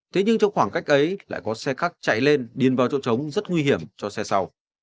thế nhưng trong khoảng cách ấy lại có xe khác chạy lên điền vào chỗ trống rất nguy hiểm cho xe sau